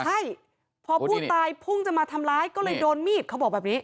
ใช่พอผู้ตายพุ่งจะมาทำร้ายก็เลยโดนมีดเขาบอกแบบนี้